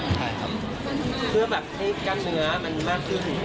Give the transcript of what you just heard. แบบให้การเสื้อมันมากขึ้น